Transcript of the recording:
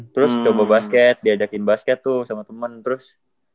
terus coba basket diajakin basket tuh sama temen terus kok suka main bola